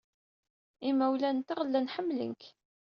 Imawlan-nteɣ llan ḥemmlen-k.